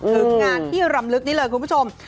ถึงงานที่รำลึกนี้เลยคุณผู้ชม